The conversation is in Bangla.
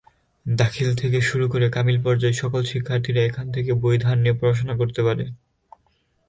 দাখিল থেকে শুরু করে কামিল পর্যায়ের সকল শিক্ষার্থীরা এখান থেকে বই ধার নিয়ে পড়াশোনা করতে পারে।